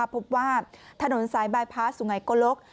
พบว่าถนนสายบายพาสสุงัยโกลก